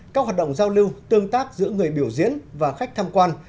các hoạt động giao lưu tương tác giữa người biểu diễn và khách tham quan